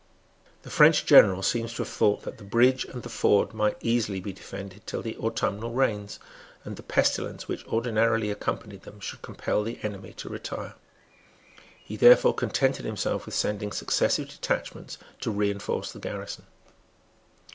The French general seems to have thought that the bridge and the ford might easily be defended, till the autumnal rains and the pestilence which ordinarily accompanied them should compel the enemy to retire. He therefore contented himself with sending successive detachments to reinforce the garrison.